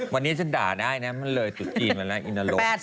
วันนี้ฉันด่าได้นะมันเลยจุดจีนมาแล้วอินนรก